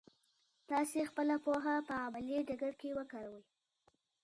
تاسو خپله پوهه په عملي ډګر کې وکاروئ.